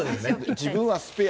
自分はスペア。